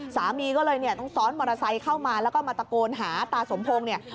สามีก็เลยเนี่ยต้องซ้อนมอเตอร์ไซค์เข้ามาแล้วก็มาตะโกนหาตาสมพงศ์เนี่ย